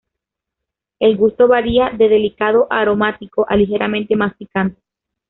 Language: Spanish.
El gusto varía de delicado aromático a ligeramente más picante.